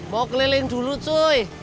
mau keliling dulu cuy